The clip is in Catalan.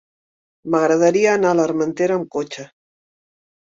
M'agradaria anar a l'Armentera amb cotxe.